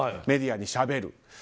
メディアにしゃべる。